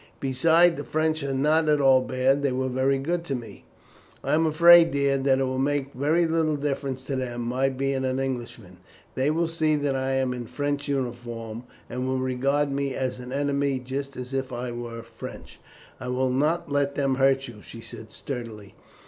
"Besides, the French are not all bad; they were very good to me." "I am afraid, dear, that it will make very little difference to them my being an Englishman. They will see that I am in French uniform, and will regard me as an enemy just as if I were French." "I will not let them hurt you," she said sturdily.